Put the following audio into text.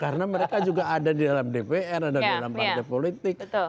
karena mereka juga ada di dalam dpr ada di dalam partai politik